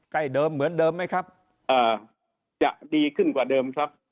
เดิมเหมือนเดิมไหมครับอ่าจะดีขึ้นกว่าเดิมครับ